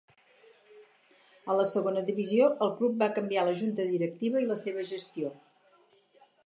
A la Segona Divisió el club va canviar la junta directiva i la seva gestió.